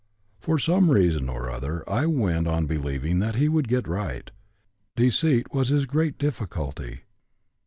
For some reason or other I went on believing that he would get right. Deceit was his great difficulty.